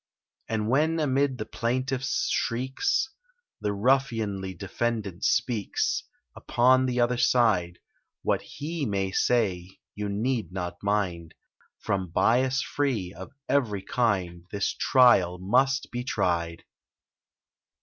And when amid the plaintiff's shrieks, The ruffianly defendant speaks— Upon the other side; What he may say you need not mind— From bias free of every kind, This trial must be tried!